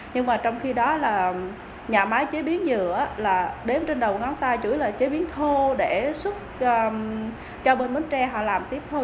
nhưng mà trong khi đó là nhà máy chế biến dừa là đếm trên đầu ngón tay chửi là chế biến thô để xuất cho bên bến tre họ làm tiếp thôi